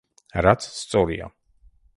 რაც სწორია.